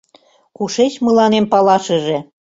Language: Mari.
— Кушеч мыланем палашыже?